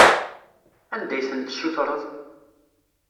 Anda ay tent-tessutreḍ?